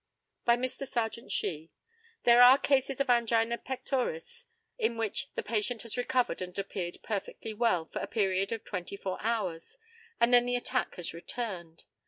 By Mr. Serjeant SHEE: There are cases of angina pectoris in which the patient has recovered and appeared perfectly well for a period of 24 hours, and then the attack has returned.